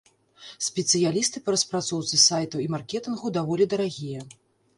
Спецыялісты па распрацоўцы сайтаў і маркетынгу даволі дарагія.